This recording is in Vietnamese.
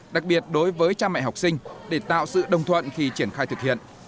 đặc biệt đối với cha mẹ học sinh để tạo sự đồng thuận khi triển khai thực hiện